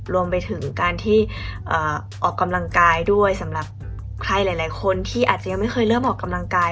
รวมไปถึงการที่ออกกำลังกายด้วยสำหรับใครหลายคนที่อาจจะยังไม่เคยเริ่มออกกำลังกาย